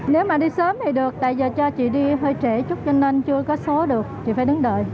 nếu mà đi sớm thì được tại giờ cho chị đi hơi trẻ chút cho nên chưa có số được chị phải đứng đợi